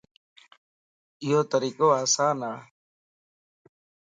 ايو طريقو آسان ا